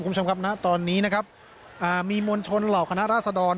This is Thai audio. คุณผู้ชมครับณตอนนี้นะครับอ่ามีมวลชนเหล่าคณะราษดร